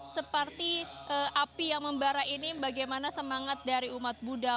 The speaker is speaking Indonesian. seperti api yang membara ini bagaimana semangat dari umat buddha